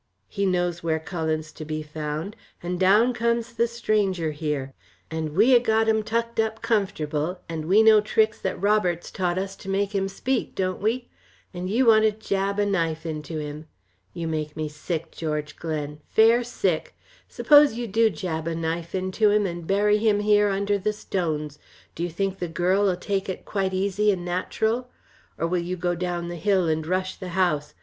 He knows where Cullen's to be found, and down comes the stranger here. And we ha' got him tucked up comfortable, and we know tricks that Roberts taught us to make him speak, don't we? And you want to jab a knife into him. You make me sick, George Glen fair sick! Suppose you do jab a knife into him, and bury him here under the stones, do you think the girl'll take it quite easy and natural? Or will you go down the hill and rush the house?